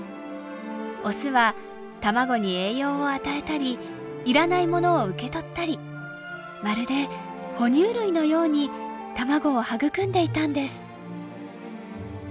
オスは卵に栄養を与えたり要らないものを受け取ったりまるで哺乳類のように卵を育んでいたんです。